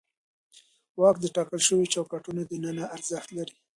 واک د ټاکل شوو چوکاټونو دننه ارزښت لري.